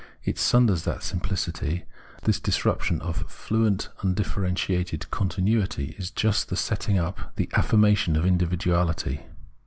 it sunders that simplicity, and this disruption of fluent undifferentiated continuity is just the setting up, the affirmation, of individuahty.